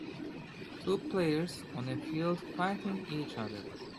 two players on a field fighting each other.